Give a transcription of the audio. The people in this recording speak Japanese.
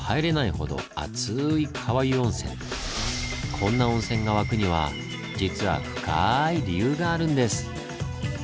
こんな温泉が湧くには実は「深い」理由があるんです。